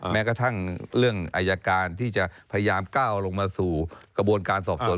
แม้กระทั่งเรื่องอายการที่จะพยายามก้าวลงมาสู่กระบวนการสอบสวน